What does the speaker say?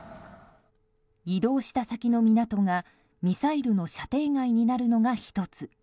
移動した先の港が、ミサイルの射程外になるのが１つ。